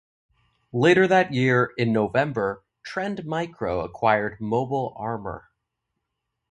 Later that year, in November, Trend Micro acquired Mobile Armor.